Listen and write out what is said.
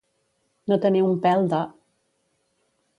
No tenir un pèl de.